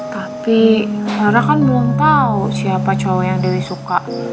tapi karena kan belum tahu siapa cowok yang dewi suka